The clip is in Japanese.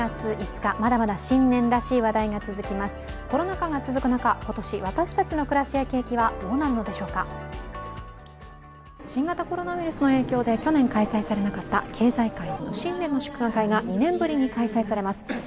コロナ禍が続く中、今年私たちの暮らしや景気はどうなるのでそふか・新型コロナウイルスの影響で去年開催されなかった経済界の新年の祝賀会が２年ぶりに開催されます。